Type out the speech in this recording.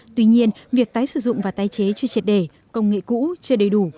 tuy nhiên việc tái sử dụng và tái chế chưa triệt đề công nghệ cũ chưa đầy đủ